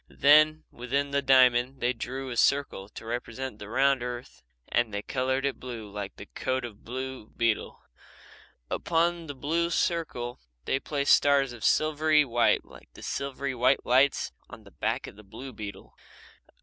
Then, within the diamond, they drew a circle to represent the round earth and they coloured it blue like the coat of the blue beetle. Upon the blue circle they placed stars of silvery white like the silvery white lights on the back of the blue beetle.